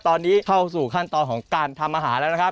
ตอนนี้เข้าสู่ขั้นตอนของการทำอาหารแล้วนะครับ